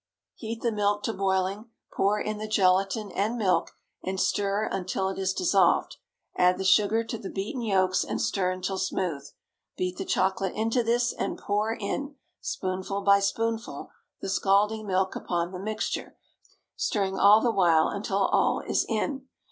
Heat the milk to boiling; pour in the gelatine and milk, and stir until it is dissolved; add the sugar to the beaten yolks and stir until smooth; beat the chocolate into this, and pour in, spoonful by spoonful, the scalding milk upon the mixture, stirring all the while until all is in.